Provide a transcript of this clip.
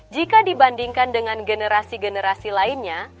jika dibandingkan dengan generasi generasi lainnya